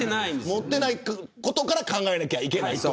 持ってないことから考えないといけないと。